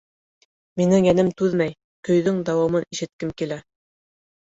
— Минең йәнем түҙмәй, көйҙөң дауамын ишеткем килә!